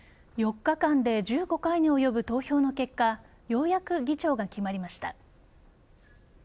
４日間で１５回に及ぶ投票の結果ようやく議長が決まりました。